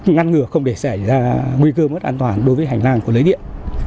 ngăn ngừa không để xảy ra nguy cơ mất an toàn đối với hành lang của lưới điện